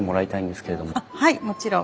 はいもちろん。